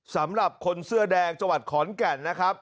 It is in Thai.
สำหรับคนเสื้อแดงจังหวัดขอนแก่นนะครับ